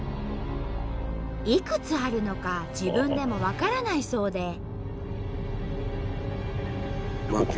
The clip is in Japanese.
いくつあるのか自分でも分からないそうで。